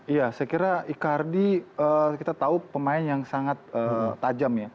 saya kira icardi kita tahu pemain yang sangat tajam